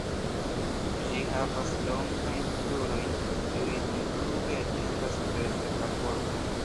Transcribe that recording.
Ĝi havas longajn krurojn kiuj dumfluge etendas preter la korpo.